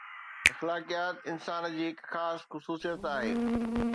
اخلاقيات انسان جي هڪ خاص خصوصيت آهي.